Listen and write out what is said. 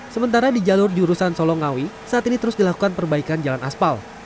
sementara di jalur jurusan solongawi saat ini terus dilakukan perbaikan jalan aspal